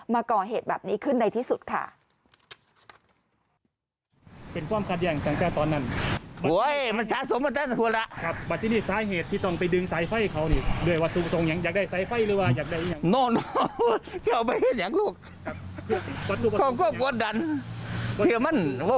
มาก่อเหตุแบบนี้ขึ้นในที่สุดค่ะ